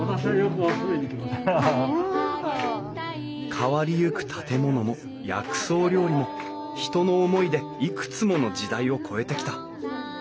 変わりゆく建物も薬草料理も人の思いでいくつもの時代を超えてきた。